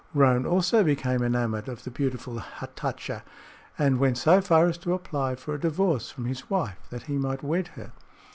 Roane also became enamored of the beautiful Hatatcha, and went so far as to apply for a divorce from his wife, that he might wed her.